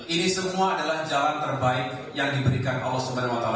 ini semua adalah jalan terbaik yang diberikan allah swt